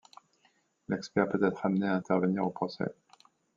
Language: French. L'expert peut être amené à intervenir au procès.